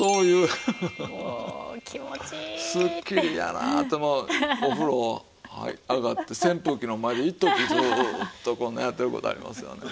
すっきりやなってもうお風呂上がって扇風機の前で一時ずーっとこんなやってる事ありますよね。